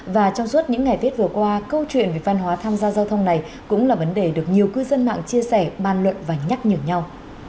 và trong suốt những ngày tết vừa qua câu chuyện về văn hóa tham gia giao thông này cũng là vấn đề được nhiều cư dân mạng chia sẻ bàn luận và nhắc nhở nhau